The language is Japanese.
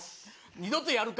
二度とやるか。